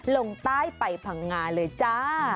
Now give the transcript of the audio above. ลงไปป่างงาเลยจ๊ะ